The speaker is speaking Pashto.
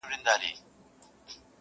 ژوند لکه لمبه ده بقا نه لري!